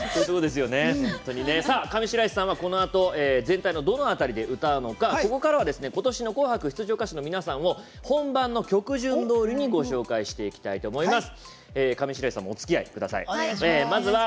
上白石さんは、このあと全体のどの辺りで歌うのか、ここからは今年の「紅白」出場歌手の皆さんを本番の曲順どおりにご紹介していきたいと思います。